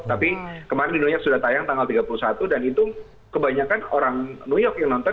tapi kemarin di new york sudah tayang tanggal tiga puluh satu dan itu kebanyakan orang new york yang nonton